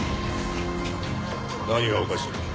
何がおかしい？